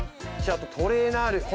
トレーナーある。